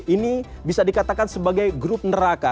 ini bisa dikatakan sebagai grup neraka